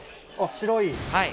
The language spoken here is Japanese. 白い。